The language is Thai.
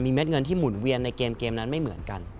เม็ดเงินที่หมุนเวียนในเกมนั้นไม่เหมือนกัน